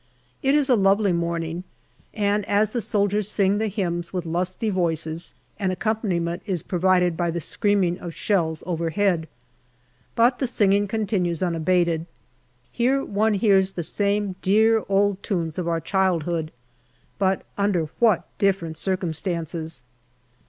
It is a lovely morning, and as the soldiers sing the hymns with lusty voices, an accompaniment is provided by the screaming of shells overhead. But the singing continues unabated. Here one hears the same dear old tunes of our childhood, but under what different circumstances